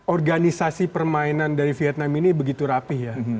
organisasi permainan dari vietnam ini begitu rapih ya